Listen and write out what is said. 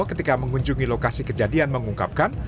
ketika mengunjungi lokasi kejadian mengungkapkan